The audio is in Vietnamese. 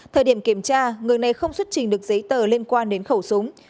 thời điểm kiểm tra người này không xuất trình được giấy tờ liên quan đến khẩu súng